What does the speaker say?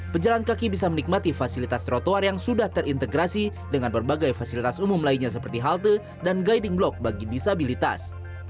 pejalan kaki bisa menikmati fasilitas trotoar yang sudah terintegrasi dengan berbagai fasilitas umum lainnya seperti halte dan guiding block bagi disabilitas